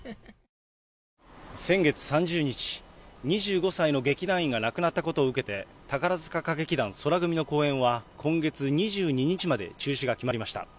先月３０日、２５歳の劇団員が亡くなったことを受けて、宝塚歌劇団宙組の公演は、今月２２日まで中止が決まりました。